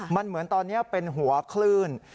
มันเหมือนตอนนี้เป็นหัวคลื่น